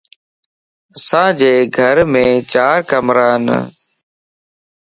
اسان جي گھرم چار ڪمرا ان